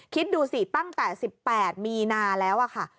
คิดดูสิตั้งแต่๑๘มีนาแล้วค่ะ